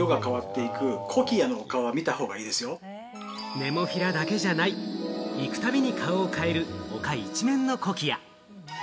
ネモフィラだけじゃない、行くたびに顔を変える丘一面のコキア。